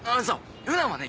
普段はね